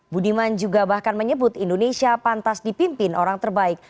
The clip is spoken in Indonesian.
budiman juga bahkan menyebut indonesia pantas dipimpin orang terbaik